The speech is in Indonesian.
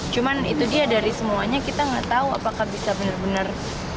cuman itu dia dari semuanya kita nggak tahu apakah bisa benar benar